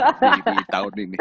di tahun ini